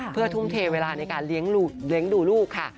เพื่อทุ่มเทเวลาในการเลี้ยงดูลูกค่ะ